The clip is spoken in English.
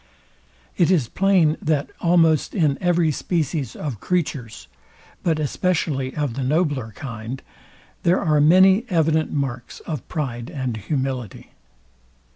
It is plain, that almost in every species of creatures, but especially of the nobler kind, there are many evident marks of pride and humility.